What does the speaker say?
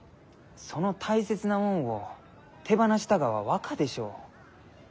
その大切なもんを手放したがは若でしょう？